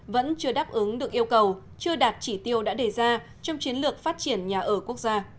vẫn chưa đáp ứng được yêu cầu chưa đạt chỉ tiêu đã đề ra trong chiến lược phát triển nhà ở quốc gia